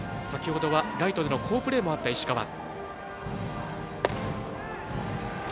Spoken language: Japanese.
先ほどはライトでの好プレーもあった石川。